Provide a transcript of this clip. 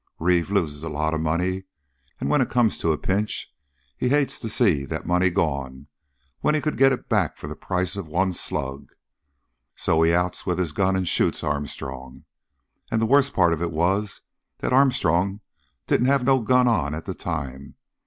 Reeve loses a lot of money, and when it comes to a pinch he hates to see that money gone when he could get it back for the price of one slug. So he outs with his gun and shoots Armstrong. And the worst part of it was that Armstrong didn't have no gun on at the time.